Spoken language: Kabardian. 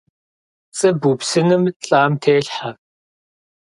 ПцIы бупсынумэ лIам телъхьэ.